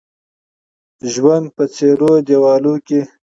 ژوند په څيرو دېوالو کې